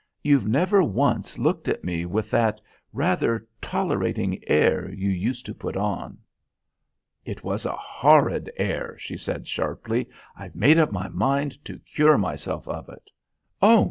You've never once looked at me with that rather tolerating air you used to put on." "It was a horrid air," she said sharply. "I've made up my mind to cure myself of it." "Oh!